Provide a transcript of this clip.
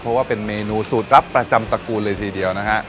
เพราะว่าเป็นเมนูสูตรลับประจำตระกูลเลยทีเดียวนะฮะ